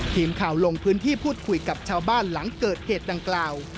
ทีมข่าวลงพื้นที่พูดคุยกับชาวบ้านหลังเกิดเหตุดังกล่าว